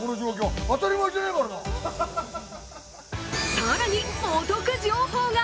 更にお得情報が。